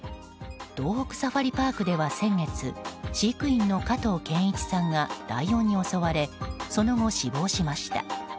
東北サファリパークでは先月飼育員の加藤健一さんがライオンに襲われその後、死亡しました。